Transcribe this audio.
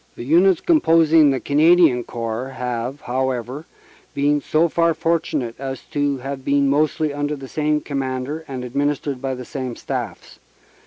"The Units composing the Canadian Corps have, however, 14 CANADA S HUNDRED DAYS been so far fortunate as to have been mostly under the same Commander and administered by the same staffs.